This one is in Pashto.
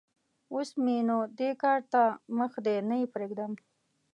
اوس م ېنو دې کار ته مخ دی؛ نه يې پرېږدم.